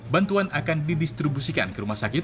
bantuan akan didistribusikan ke rumah sakit